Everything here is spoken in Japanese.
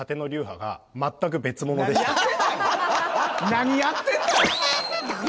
何やってんだ！